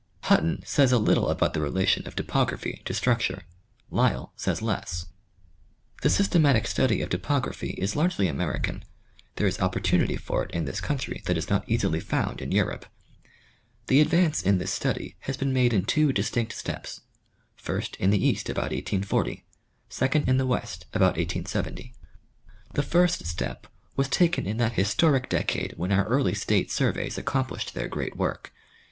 Button says a little about the relation of topography to struc ture; Lyell says less. The systematic study of topography is largely American. There is opportunity for it in this country that is not easily found in Europe. The advance in this study has been made in two distinct steps : first, in the East about 1840 ; second, in the West about 1870. The first step was taken in that historic decade when our early State surveys accomplished their great work.